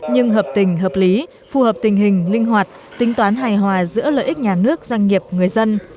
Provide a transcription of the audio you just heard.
nhưng hợp tình hợp lý phù hợp tình hình linh hoạt tính toán hài hòa giữa lợi ích nhà nước doanh nghiệp người dân